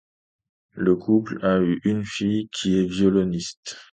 Le couple a eu une fille qui est violoniste.